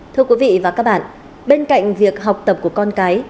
thưa quý vị và các bạn bên cạnh việc học tập của con cái